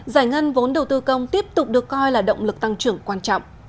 giải ngân vốn đầu tư công tiếp tục được coi là động lực tăng trưởng quan trọng